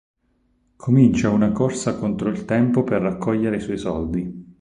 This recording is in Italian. Comincia una corsa contro il tempo per raccogliere i suoi soldi.